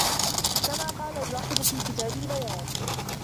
كَمَا قَالَ الْجَاحِظُ فِي كِتَابِ الْبَيَانِ